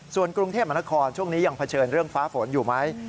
ส่วนกรุงเทพมหานครช่วงนี้ยังเผชิญเรื่องฟ้าฝนอยู่ไหม